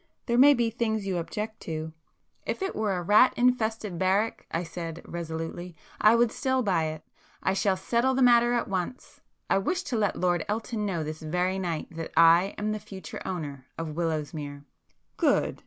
There may be things you object to——" "If it were a rat infested barrack," I said resolutely—"I would still buy it! I shall settle the matter at once. I wish to let Lord Elton know this very night that I am the future owner of Willowsmere!" "Good!"